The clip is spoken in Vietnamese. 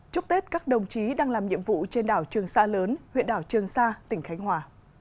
chúc tết các đồng chí đang làm nhiệm vụ trên đảo trường sa lớn huyện đảo trường sa tỉnh khánh hòa